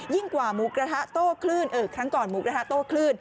กว่าหมูกระทะโต้คลื่นครั้งก่อนหมูกระทะโต้คลื่น